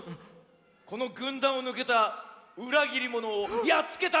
このぐんだんをぬけたうらぎりものをやっつけたまでよ！